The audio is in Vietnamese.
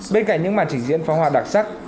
bên cạnh những màn trình diễn pháo hoa đặc sắc